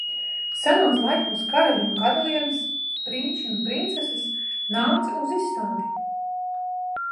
Senos laikos karaļi un karalienes, prinči un princeses nāca uz izstādi.